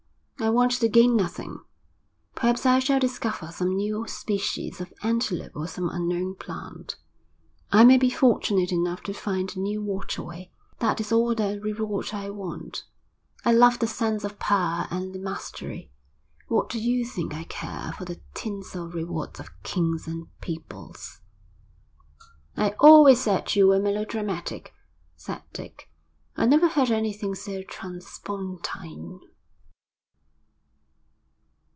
I want to gain nothing. Perhaps I shall discover some new species of antelope or some unknown plant. I may be fortunate enough to find a new waterway. That is all the reward I want. I love the sense of power and the mastery. What do you think I care for the tinsel rewards of kings and peoples!' 'I always said you were melodramatic,' said Dick. 'I never heard anything so transpontine.'